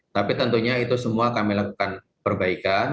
tapi tentunya itu semua kami lakukan perbaikan